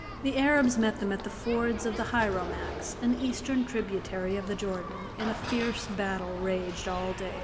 The Arabs met them at the fords of the Hieromax, an Eastern tributary of the Jordan, and a fierce battle raged all day.